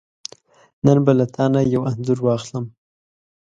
نن به له تانه یو انځور واخلم .